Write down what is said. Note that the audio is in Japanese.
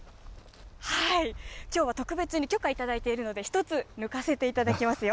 きょうは特別に許可いただいているので、１つ、抜かせていただきますよ。